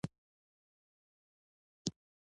په اربکي نارینتوب په زور د پنجاب له ملیشو سره جګړه کوي.